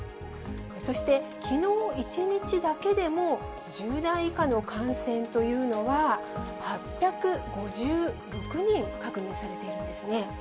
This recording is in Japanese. そして、きのう１日だけでも、１０代以下の感染というのは８５６人確認されているんですね。